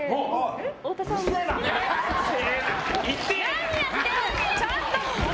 何やってんの！